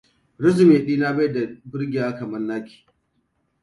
Resume ɗina bai da burgewa kamar na ki.